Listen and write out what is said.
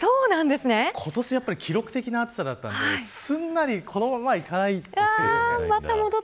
今年は記録的な暑さだったんですんなり、このままいかない。